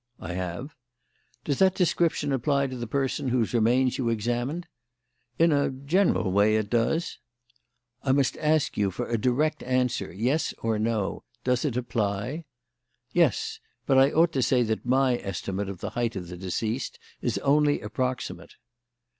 "I have." "Does that description apply to the person whose remains you examined?" "In a general way, it does." "I must ask you for a direct answer yes or no. Does it apply?" "Yes. But I ought to say that my estimate of the height of the deceased is only approximate."